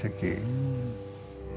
うん。